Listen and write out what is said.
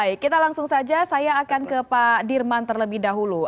baik kita langsung saja saya akan ke pak dirman terlebih dahulu